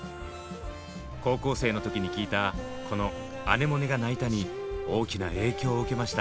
高校生の時に聴いたこの「アネモネが鳴いた」に大きな影響を受けました。